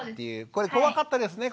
これ怖かったですね